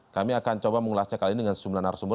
kami akan coba mengulasnya kali ini dengan sejumlah narasumber